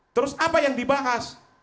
terus apa yang dibahas